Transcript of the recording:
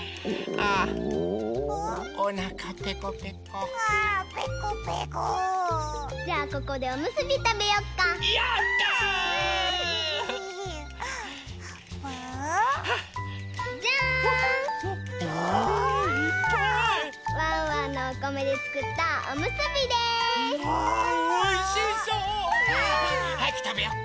はやくたべよう。